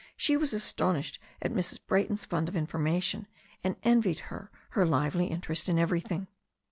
She was astonished at Mrs. Brayton's fund of information, and envied her her lively interest in everything.